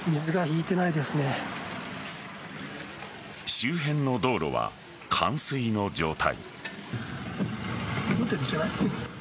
周辺の道路は冠水の状態。